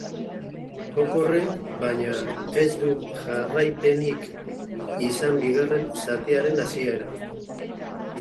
Joko horrek, baina, ez du jarraipenik izan bigarren zatiaren hasieran.